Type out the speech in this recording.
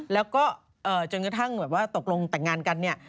แล้วก็จนกระทั่งแบบว่าตกลงแต่งงานกันเนี่ย